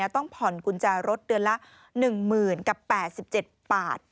ต้องผ่อนกุญแจรถเดือนละ๑๐๐๐กับ๘๗บาท